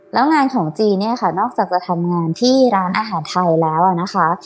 แล้วงานของจีนเนี่ยค่ะนอกจากจะทำงานที่ร้านอาหารไทยแล้วนะคะ